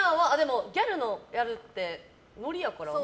ギャルってノリやから。